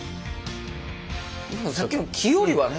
でもさっきの木よりはね